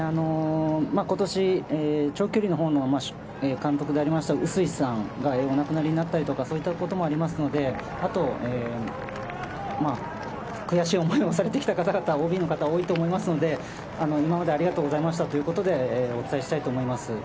今年、長距離の方の監督さんがお亡くなりになったりということもありますので、あと、悔しい思いをされてきた方々ＯＢの方々も多いと思いますので、今までありがとうございましたということでお伝えしたいと思います。